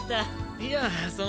いやその。